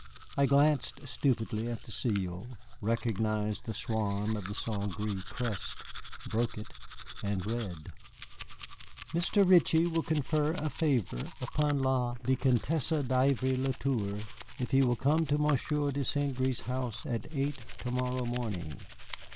I glanced stupidly at the seal, recognized the swan of the St. Gré crest, broke it, and read: "Mr. Ritchie will confer a favor upon la Vicomtesse d'Ivry le Tour if he will come to Monsieur de St. Gré's house at eight to morrow morning."